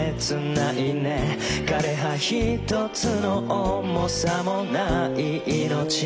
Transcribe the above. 「枯葉ひとつの重さもない命」